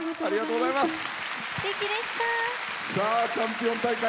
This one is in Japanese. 「チャンピオン大会」